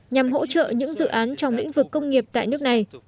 nhằm hỗ trợ những dự án trong lĩnh vực công nghiệp tại nước này